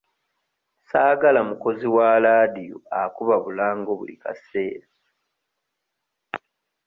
Ssaagala mukozi wa laadiyo akuba bulango buli kaseere.